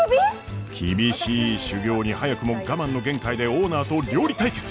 厳しい修業に早くも我慢の限界でオーナーと料理対決！